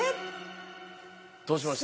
どうしました？